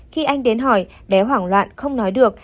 khi anh đến hỏi bé hoảng loạn không nói được